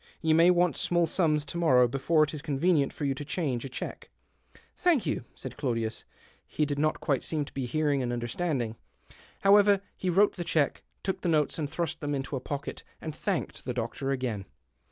You may want small 5ums to morrow before it is convenient for you to change a cheque." "Thank you," said Claudius. He did not L 146 THE OCTAVE OP CLAUDIUS. quite seem to be hearing and understanding. However, he wrote the cheque, took the notes and thrust them into a pocket, and thanked the doctor again.